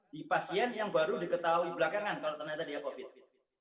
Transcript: di pasien yang baru diketahui belakangan kalau ternyata dia covid fit